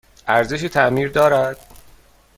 ارزش تعمیر دارد؟